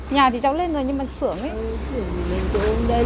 nhà thì cháu lên rồi nhưng mà xưởng ấy